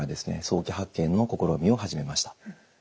早期発見の試みを始めました。